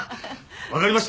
分かりました！